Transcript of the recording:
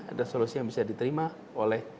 ada solusi yang bisa diterima oleh